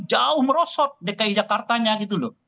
jauh merosot dki jakartanya gitu loh